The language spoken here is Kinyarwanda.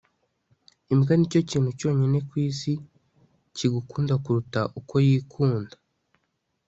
imbwa ni cyo kintu cyonyine ku isi kigukunda kuruta uko yikunda